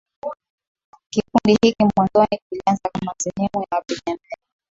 Kikundi hiki mwanzoni kilianza kama sehemu ya wapiganaji